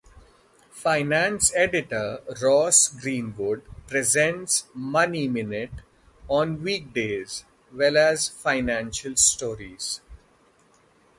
Finance editor Ross Greenwood presents "Money Minute" on weekdays well as financial stories.